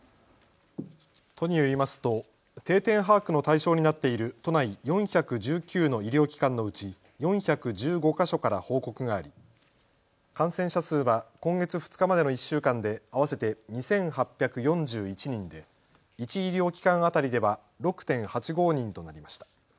都によりますと定点把握の対象になっている都内４１９の医療機関のうち４１５か所から報告があり、感染者数は今月２日までの１週間で合わせて２８４１人で１医療機関当たりでは６．８５人となりました。